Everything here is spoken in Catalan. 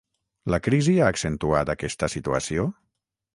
La crisi ha accentuat aquesta situació?